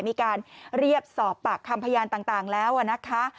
มีการเรียกสอบปากคำพยานต่างแล้วนะคะ